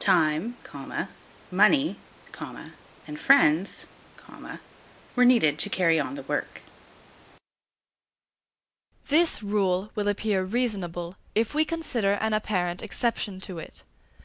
Time, money, and friends, were needed to carry on the work. This rule will appear reasonable if we consider an apparent exception to it.